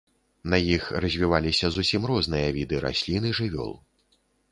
На іх развіваліся зусім розныя віды раслін і жывёл.